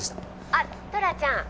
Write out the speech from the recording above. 「あっトラちゃん」